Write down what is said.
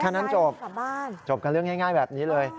แค่นั้นจบจบกันเรื่องง่ายแบบนี้เลย